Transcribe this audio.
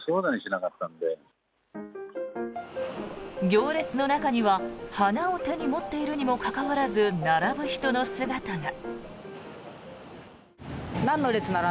行列の中には花を手に持っているにもかかわらず並ぶ人の姿が。